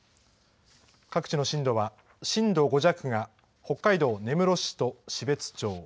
各地の震度は震度５弱が北海道根室市と標津町。